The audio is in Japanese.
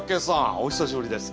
お久しぶりです。